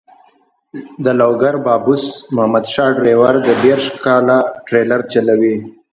د لوګر بابوس محمد شاه ډریور دېرش کاله ټریلر چلوي.